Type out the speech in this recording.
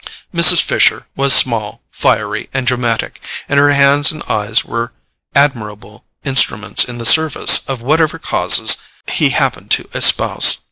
Mrs. Fisher was small, fiery and dramatic; and her hands and eyes were admirable instruments in the service of whatever causes she happened to espouse.